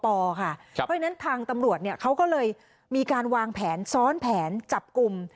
เพราะฉะนั้นทางตำรวจเขาก็เลยมีการวางแผนซ้อนแผนจับกลุ่ม